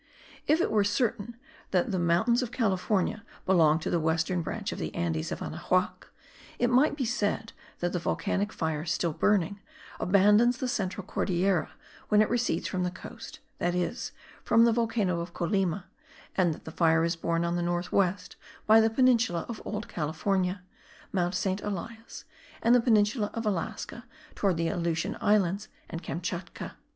If it were certain that the mountains of California belong to the western branch of the Andes of Anahuac, it might be said that the volcanic fire, still burning, abandons the central Cordillera when it recedes from the coast, that is, from the volcano of Colima; and that the fire is borne on the north west by the peninsula of Old California, Mount Saint Elias, and the peninsula of Alaska, towards the Aleutian Islands and Kamschatka.